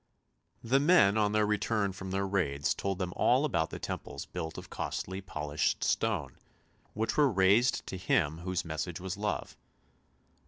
The men on their return from their raids told them all about the temples built of costly polished stone, which were raised to Him whose message was Love.